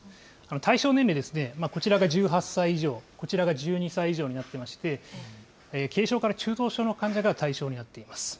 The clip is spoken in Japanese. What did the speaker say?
対象年齢ですね、こちらが１８歳以上、こちらが１２歳以上になってまして、軽症から中等症の患者が対象になっています。